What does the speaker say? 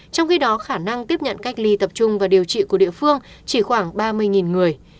trong khi đó khả năng tiếp nhận cách ly tập trung và điều trị của địa phương chỉ khoảng ba mươi người